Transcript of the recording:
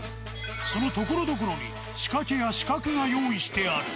そのところどころに仕掛けや刺客が用意してある。